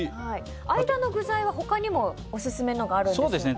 間の具材は、他にもオススメのがあるんですよね。